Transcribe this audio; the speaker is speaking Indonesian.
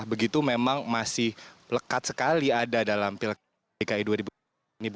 begitu memang masih lekat sekali ada dalam pilkade dki dua ribu dua puluh ini